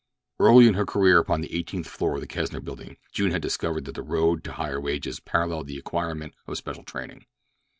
Early in her career upon the eighteenth floor of the Kesner Building June had discovered that the road to higher wages paralleled the acquirement of special training.